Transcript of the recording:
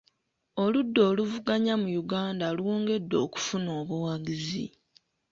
Oludda oluvuganya mu Uganda lwongedde okufuna obuwagizi.